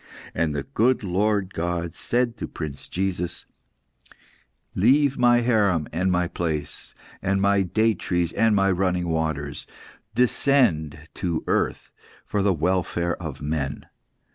And the good Lord God said to Prince Jesus "'Leave My harem and My palace, and My date trees and My running waters. Descend to earth for the welfare of men.